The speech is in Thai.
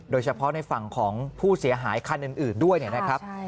โดยเฉพาะในฝั่งของผู้เสียหายคันอื่นด้วยนะครับ